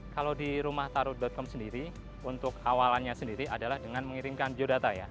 kalau di rumahtaru com sendiri untuk awalannya sendiri adalah dengan mengirimkan biodata ya